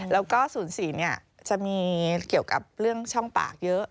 แล้วก็๐๔จะมีเกี่ยวกับเรื่องช่องปากเยอะ